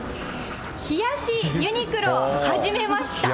冷やしユニクロはじめました。